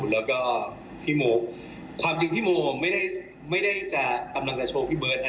แล้วก็พี่โมความจริงพี่โมไม่ได้จะกำลังจะโชว์พี่เบิร์ต